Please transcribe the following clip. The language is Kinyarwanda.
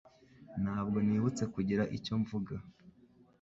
Ntabwo nibutse kugira icyo mvuga